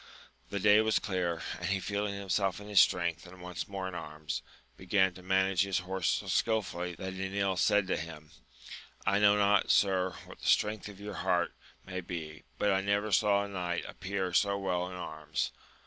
The day was clear, and he feeling himself in his strength and once more in arms, began to manage his horse so skilfully that Enil said to him, I know not, sir, what the strength of your heart may be, but I never saw a knight appear so well in arms.